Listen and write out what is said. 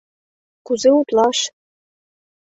Кузе утлаш?